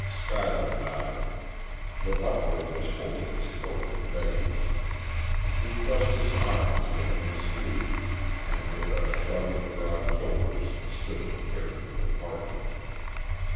Schuyler nodded. The butler was holding his coat in readiness. He thrust his arms within the sleeves and, with a shrug of broad shoulders, stood prepared for departure.